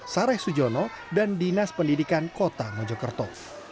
sareh sujono dan dinas pendidikan kota mojokerto